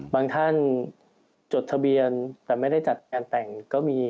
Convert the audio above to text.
บางท่านจดทะเบียนแต่ไม่ได้จัดงานแต่งก็มี